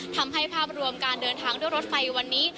ภาพรวมการเดินทางด้วยรถไฟวันนี้